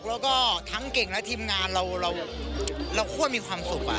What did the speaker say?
แล้วก็ทั้งเก่งและทีมงานเราโคตรมีความสุข